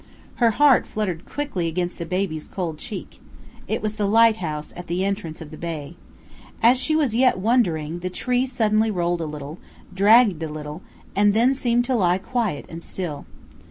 Her heart fluttered quickly against the baby's cold cheek. It was the lighthouse at the entrance of the bay. As she was yet wondering, the tree suddenly rolled a little, dragged a little, and then seemed to lie quiet and still.